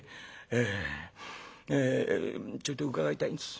「ええ。えちょいと伺いたいんです。